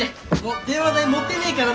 電話代もってえねえから。